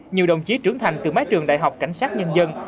nhiều đồng chí trưởng thành từ mái trường đại học cảnh sát nhân dân